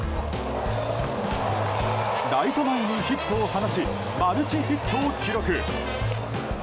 ライト前にヒットを放ちマルチヒットを記録。